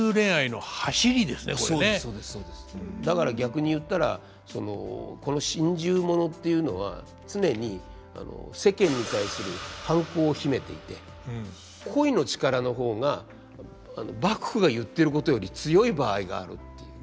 だから逆に言ったらこの心中物っていうのは常に世間に対する反抗を秘めていて恋の力の方が幕府が言ってることより強い場合があるっていう。